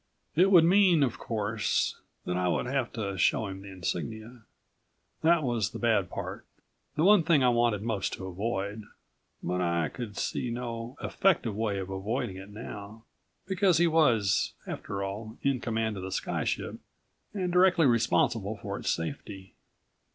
It would mean, of course, that I would have to show him the insignia. That was the bad part, the one thing I wanted most to avoid. But I could see no effective way of avoiding it now, because he was, after all, in command of the sky ship and directly responsible for its safety.